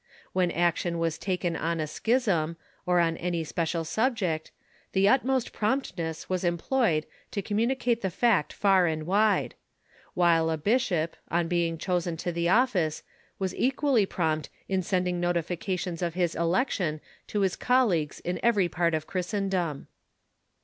When action was taken on a schism, or on any special subject, the utmost promptness was employed to communicate the fact far and wide; Avhile a bishop, on be ing chosen to the office, was equally prompt in sending notifi cations of his election to his colleagues in every part of Chris tendom.